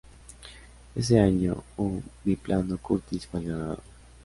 Ese año, un biplano Curtiss fue el ganador.